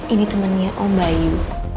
ini temennya om bayu